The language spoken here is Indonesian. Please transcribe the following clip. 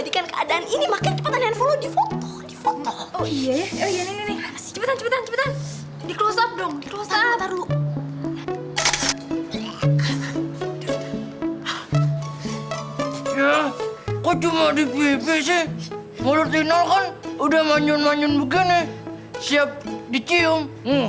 kok cuma di pipi sih mulut final kan udah manyun manyun begini siap dicium